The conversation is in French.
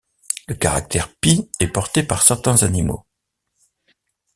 Le caractère pie est porté par certains animaux.